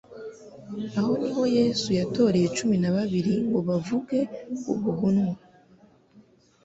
aho niho Yesu yatoreye cumi na babiri ngo bavuge ubuhunwa,